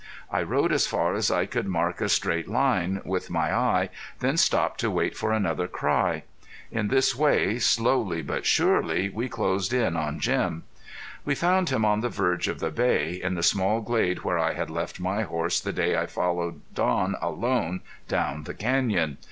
I rode as far as I could mark a straight line with my eye, then stopped to wait for another cry. In this way, slowly but surely we closed in on Jim. We found him on the verge of the Bay, in the small glade where I had left my horse the day I followed Don alone down the canyon.